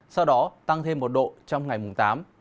sau đó tăng thêm một độ trong ngày mùng tám